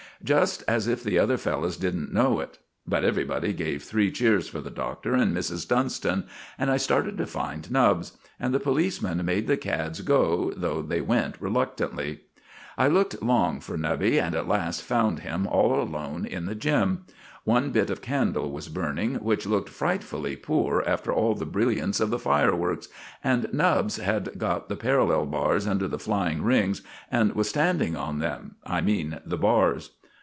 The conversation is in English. Just as if the other fellows didn't know it! But everybody gave three cheers for the Doctor and Mrs. Dunston, and I started to find Nubbs; and the policemen made the cads go, though they went reluctantly. I looked long for Nubby, and at last found him all alone in the gym. One bit of candle was burning, which looked frightfully poor after all the brilliance of the fireworks, and Nubbs had got the parallel bars under the flying rings, and was standing on them I mean the bars.